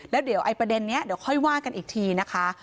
แล้วเดี๋ยวไอ้ประเด็นนี้เดี๋ยวค่อยว่ากันอีกทีนะคะ